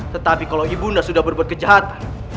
tetapi kalau ibu bunda sudah berbuat kejahatan